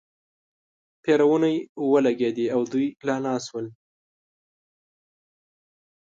پېرونی ولګېدې او دوی لا ناست ول.